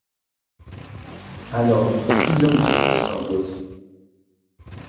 Alors, filons, dit Sandoz.